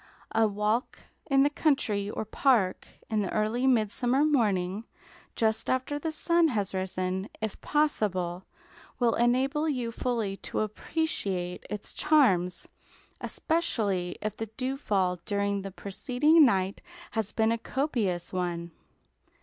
A walk in the country or park, in the early midsummer morning, just after the sun has risen, if possible, will enable you fully to appreciate its charms; especially if the dewfall during the preceding night has been a copious one.